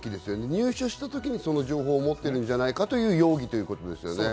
入社した時にその情報を持っているんじゃないかという容疑ということですね。